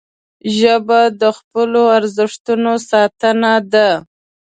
ژبه د خپلو ارزښتونو ساتنه ده